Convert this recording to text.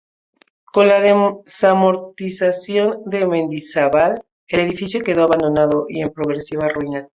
Con la Desamortización de Mendizábal el edificio quedó abandonado y en progresiva ruina.